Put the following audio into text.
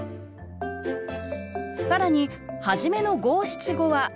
更に初めの五七五は上の句。